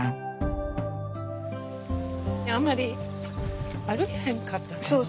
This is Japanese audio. あんまり歩けへんかったから。